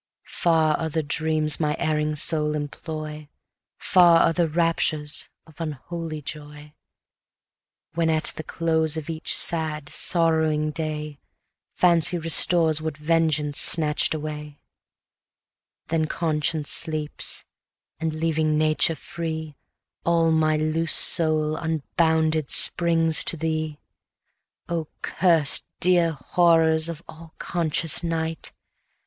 Far other dreams my erring soul employ, Far other raptures, of unholy joy: When at the close of each sad, sorrowing day, Fancy restores what vengeance snatch'd away, Then conscience sleeps, and leaving nature free, All my loose soul unbounded springs to thee. O curst, dear horrors of all conscious night!